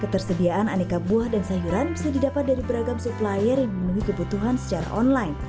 ketersediaan aneka buah dan sayuran bisa didapat dari beragam supplier yang memenuhi kebutuhan secara online